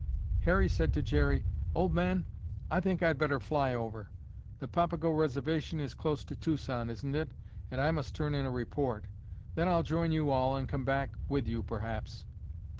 Harry said to Jerry, "Old man, I think I'd better fly over. The Papago reservation is close to Tucson, isn't it, and I must turn in a report. Then I'll join you all and come back with you perhaps."